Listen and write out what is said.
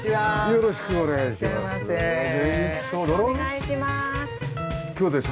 よろしくお願いします。